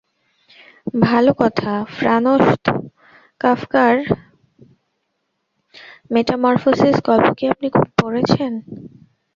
ভালো কথা-ফ্রানৎস কাফকার মেটামরফোসিস গল্প কি আপনি পড়েছেন?